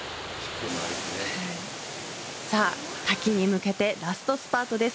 さあ、滝に向けてラストスパートです。